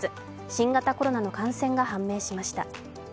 新型コロナの感染が判明しました。